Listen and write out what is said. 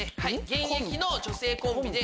現役の女性コンビ。